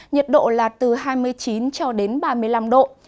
nhiệt độ là từ hai mươi chín cho đến ba mươi năm độ